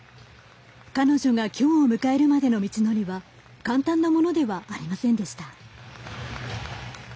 彼女がきょうを迎えるまでの道のりは簡単なものではありませんでした。